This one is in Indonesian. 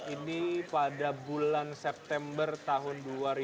ini pada bulan september tahun dua ribu delapan belas